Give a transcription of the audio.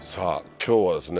今日はですね